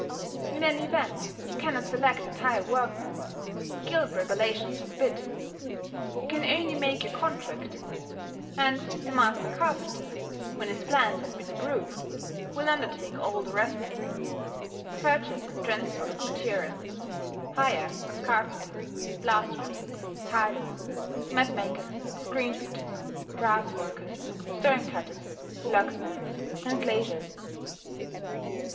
In any event you cannot select and hire workmen: guild regulations forbid. You can only make your contract; and the master carpenter, when his plans have been approved, will undertake all the rest, purchase and transport of material, hire of carpenters, plasterers, tilers, mat makers, screen fitters, brass workers, stone cutters, locksmiths, and glaziers.